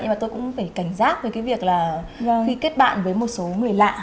nhưng mà tôi cũng phải cảnh giác về cái việc là khi kết bạn với một số người lạ